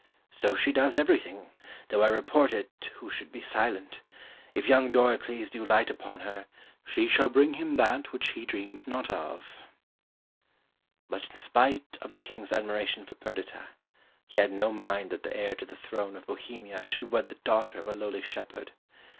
"So she does everything, though I report it who should be silent. If young Doricles do light upon her, she shall bring him that which he dreams not of." But in spite of the King's admiration for Perdita, he had no mind that the heir to the throne of Bohemia should wed the daughter of a lowly shepherd.